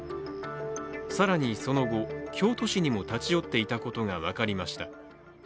更にその後、京都市にも立ち寄っていたことが分かりました。